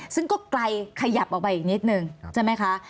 ซึ่งก็ไกลขยับออกไปอีกนิดนึงใช่ไหมคะ